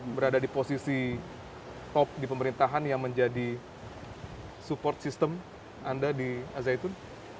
berada di posisi top di pemerintahan yang menjadi support system anda di azayitun